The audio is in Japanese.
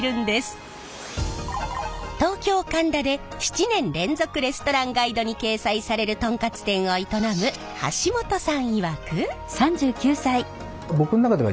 東京・神田で７年連続レストランガイドに掲載されるトンカツ店を営む橋本さんいわく。